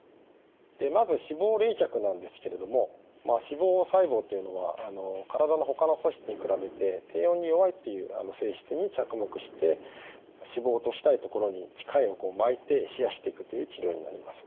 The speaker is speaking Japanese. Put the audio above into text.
でまず脂肪冷却なんですけれども脂肪細胞というのは体のほかの組織に比べて低温に弱いっていう性質に着目して脂肪を落としたいところに機械を巻いて冷やしていくという治療になります。